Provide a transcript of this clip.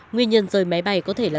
nguyên nhân rơi máy bay của nga là